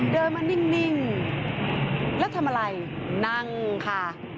เดินมานิ่งแล้วทำอะไรนั่งค่ะ